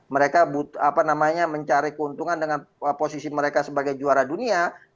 mereka mencari keuntungan dengan posisi mereka sebagai juara dunia